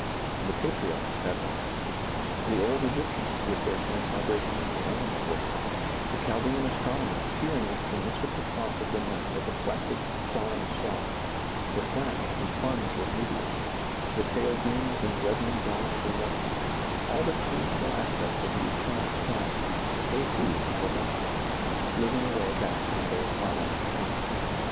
The patriarchs had one. The old Egyptians, with their transmigrations and animal worship, the Chaldean astronomers peering into the mystical pomp of the night at the placid, solemn stars, the flash and plunge of meteors, the pale beams and reddening dawn of the morning, all the changeful aspect of the eternal skies — they too had a gospel — living away back in their twilight time.